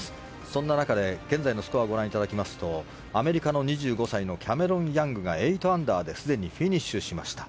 そんな中で現在のスコアをご覧いただきますとアメリカの２５歳のキャメロン・ヤングが８アンダーですでにフィニッシュしました。